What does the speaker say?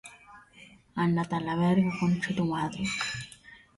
La muerte de Villanueva se produjo cuando estaba realizando las obras del túnel.